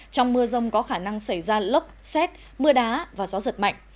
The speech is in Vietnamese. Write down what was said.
trong mưa rông có khả năng xảy ra lốc xét mưa đá và gió giật mạnh